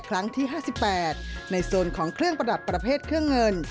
ครั้งที่๕๘ในโซนของเครื่องประดับประเภทเครื่องเงิน